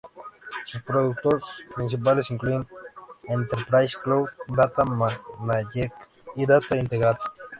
Sus productos principales incluyen Enterprise Cloud Data Management y Data Integration.